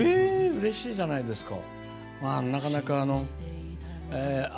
うれしいじゃないですか！